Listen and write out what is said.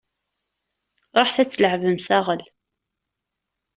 Ruḥet ad tleɛbem saɣel!